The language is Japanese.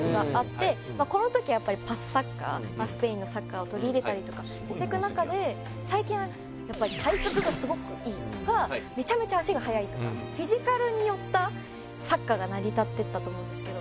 この時はやっぱりパスサッカースペインのサッカーを取り入れたりとかしていく中で最近はやっぱり体格がすごくいいとかめちゃめちゃ足が速いとかフィジカルに寄ったサッカーが成り立っていったと思うんですけど。